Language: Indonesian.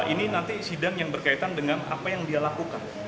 ini nanti sidang yang berkaitan dengan apa yang dia lakukan